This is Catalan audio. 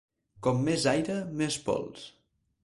Com més aire, més pols.